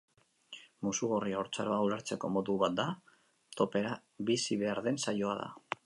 Muxugorri haurtzaroa ulertzeko modu bat da, topera bizi behar den sasoia da.